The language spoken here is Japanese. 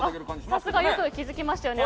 さすがよく気づきましたね。